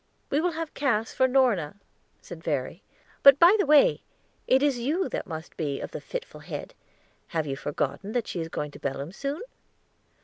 "We will have Cass for Norna," said Verry; "but, by the way, it is you that must be of the fitful head; have you forgotten that she is going to Belem soon?"